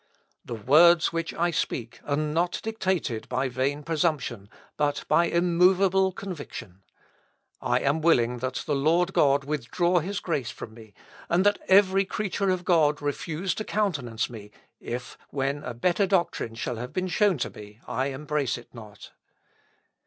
The words which I speak are not dictated by vain presumption, but by immovable conviction. I am willing that the Lord God withdraw his grace from me, and that every creature of God refuse to countenance me, if, when a better doctrine shall have been shown to me, I embrace it not.